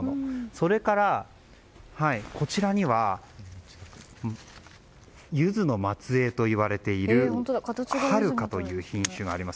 それから、こちらにはユズの末裔といわれているはるかという品種があります。